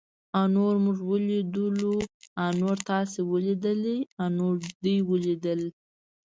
انور موږ وليدلو. انور تاسې وليدليٙ؟ انور دوی وليدل.